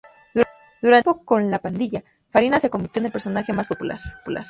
Durante su tiempo con "La Pandilla", Farina se convirtió en el personaje más popular.